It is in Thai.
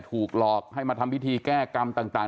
ถูกหลอกให้มาทำพิธีแก้กรรมต่าง